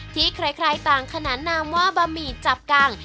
ที่ใครต่างขนานนามว่าบะหมี่จับกัง